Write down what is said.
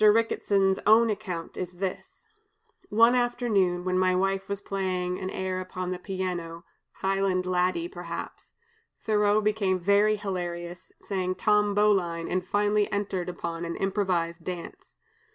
Ricketson's own account is this: "One afternoon, when my wife was playing an air upon the piano, 'Highland Laddie,' perhaps, Thoreau became very hilarious, sang 'Tom Bowline,' and finally entered upon an improvised dance.